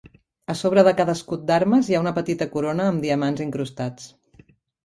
A sobre de cada escut d'armes hi ha una petita corona amb diamants incrustats.